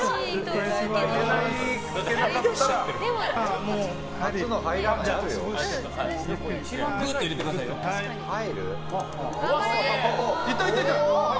いった、いった！